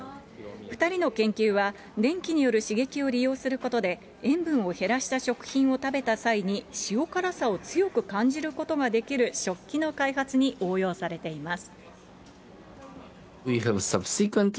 ２人の研究は、電気による刺激を利用することで、塩分を減らした食品を食べた際に塩辛さを強く感じることができる食器の開発に応用されています。